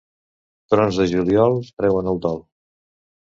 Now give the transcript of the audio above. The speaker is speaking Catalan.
Trons de juliol treuen el dol.